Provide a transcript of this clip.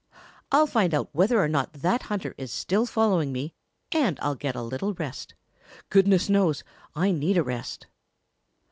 "I'll find out whether or not that hunter is still following me and I'll get a little rest. Goodness knows, I need a rest."